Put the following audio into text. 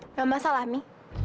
nggak masalah mi